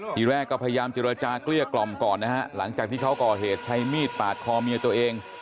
ทีแรกก็พยายามเจรจาเกลี้ยกล่อมก่อนนะฮะหลังจากที่เขาก่อเหตุใช้มีดปาดคอเมียตัวเอง